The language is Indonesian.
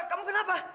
laura kamu kenapa